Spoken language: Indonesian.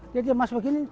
jadi dia masuk begini